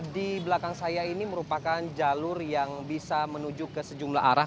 di belakang saya ini merupakan jalur yang bisa menuju ke sejumlah arah